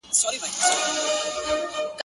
په اووه زورورو ورځو کي کيسه ده,